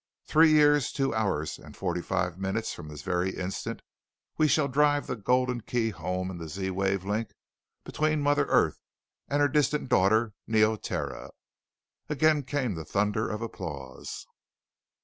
Three years, two hours, and forty five minutes from this very instant, we shall drive the Golden Key home in the Z wave link between Mother Earth and her distant daughter Neoterra!" Again came the thunder of applause.